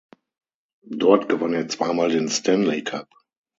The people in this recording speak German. Dort gewann er zweimal den Stanley Cup.